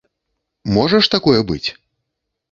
Можа ж такое быць?